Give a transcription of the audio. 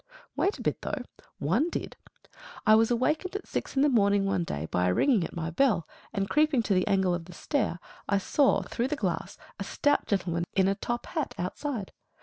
Wait a bit, though! One did. I was awakened at six in the morning one day by a ringing at my bell, and creeping to the angle of the stair I saw through the glass a stout gentleman in a top hat outside.